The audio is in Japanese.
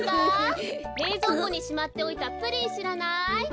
れいぞうこにしまっておいたプリンしらない？